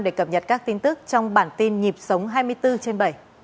để cập nhật các tin tức trong bản tin nhịp sống hai mươi bốn trên bảy